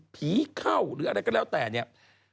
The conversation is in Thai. ผีเข้าหรืออะไรก็แล้วแต่เนี่ย